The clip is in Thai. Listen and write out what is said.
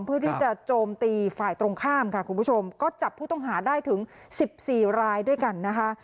เพื่อที่จะโจมตีฝ่ายตรงข้ามค่ะคุณผู้ชมก็จับผู้ต้องหาได้ถึงสิบสี่รายด้วยกันนะคะ